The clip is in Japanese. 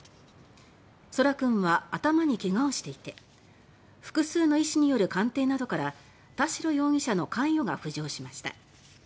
空来君は頭に怪我をしていて複数の医師による鑑定などから田代容疑者の関与が浮上しました。